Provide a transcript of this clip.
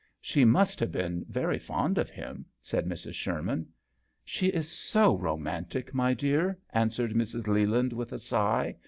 53 "She must have been very fond of him/' said Mrs. Sherman. " She is so romantic, my dear," answered Mrs. Leland, with a sigh.